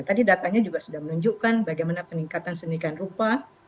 tadi datanya juga sudah menunjukkan bagaimana peningkatan sedemikian rupa